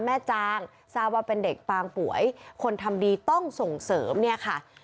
จางทราบว่าเป็นเด็กปางป่วยคนทำดีต้องส่งเสริมเนี่ยค่ะ